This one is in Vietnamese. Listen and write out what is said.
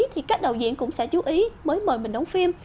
thì các đạo diễn cũng sẽ chú ý mới mời mình đóng phim